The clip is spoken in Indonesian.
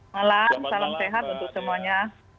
malam salam sehat untuk semuanya